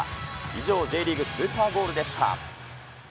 以上、Ｊリーグスーパーゴールでした。